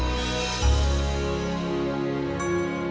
aduh udah gak sabar eke